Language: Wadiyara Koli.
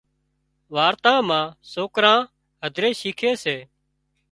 وارتا مان سوڪران هڌري شيکي سي